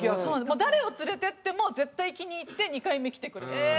もう誰を連れて行っても絶対気に入って２回目来てくれます。